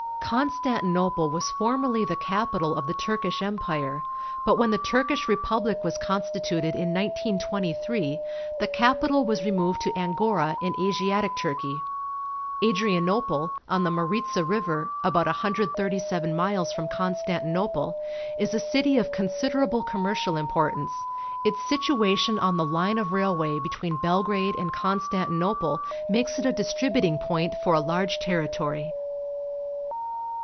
Constantinople was formerly the capital of the Turkish Empire, but, when the Turkish Republic was consti tuted in 1923, the capital was removed to Angora in Asiatic Turkey. Adrianople, on the Maritza River, about 137 miles from Constantinople, is a city of considerable commercial importance. Its situation on the Une of railway between Belgrade and Constantinople makes it a distributing point for a large territory.